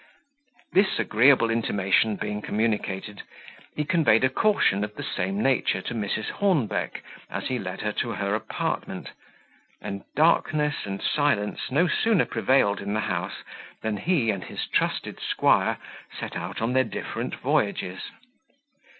This agreeable intimation being communicated, he conveyed a caution of the same nature to Mrs. Hornbeck, as he led her to her apartment; and darkness and silence no sooner prevailed in the house, than he and his trusted squire set out on their different voyages.